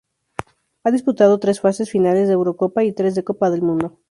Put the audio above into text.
Ha disputado tres fases finales de Eurocopa y tres de Copa del Mundo.